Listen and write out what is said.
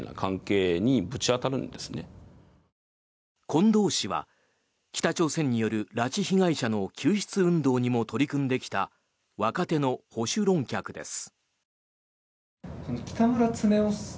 近藤氏は、北朝鮮による拉致被害者の救出運動にも取り組んできた若手の保守論客です。